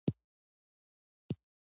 ويره او شرم له نارينه سره د ښځې دوه مهم